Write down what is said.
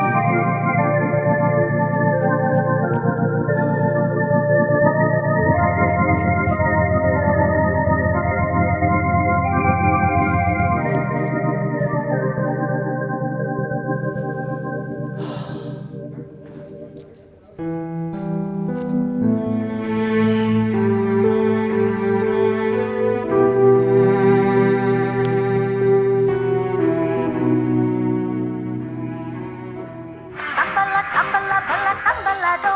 sambal sambal belas sambal aduk